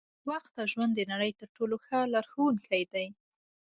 وخت او ژوند د نړۍ تر ټولو ښه لارښوونکي دي.